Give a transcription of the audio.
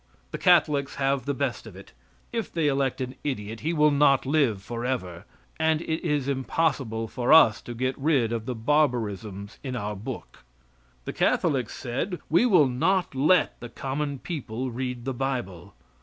The Catholics have the best of it. If they elect an idiot he will not live forever, and it is impossible for us to get rid of the barbarisms in our book. The Catholics said, "We will not let the common people read the bible."